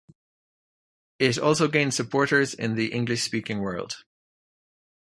It also gained supporters in the English-speaking world.